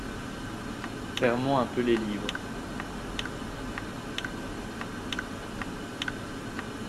Fermons un peu les livres.